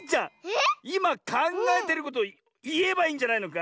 いまかんがえてることをいえばいいんじゃないのか？